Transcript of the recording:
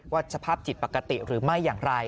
สภาพจิตปกติหรือไม่อย่างไร